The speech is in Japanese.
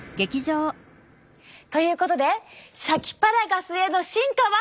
ということでシャキパラガスへの進化は。